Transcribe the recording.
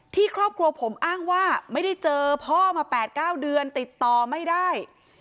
ครอบครัวผมอ้างว่าไม่ได้เจอพ่อมา๘๙เดือนติดต่อไม่ได้